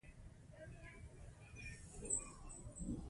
زه دشبی له خوا په تلتک کی له يخ ځخه ځان پټوم